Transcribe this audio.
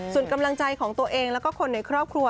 ส่วนกำลังใจของตัวเองแล้วก็คนในครอบครัว